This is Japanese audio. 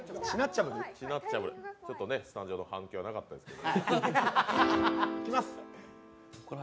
ちょっとね、スタジオの反響はなかったですけど。